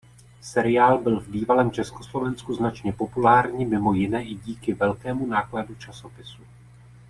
Seriál byl v bývalém Československu značně populární mimo jiné i díky velkému nákladu časopisu.